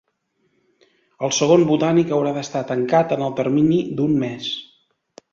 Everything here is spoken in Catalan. El segon Botànic haurà d'estar tancat en el termini d'un mes